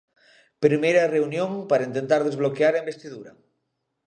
Primeira reunión para intentar desbloquear a investidura.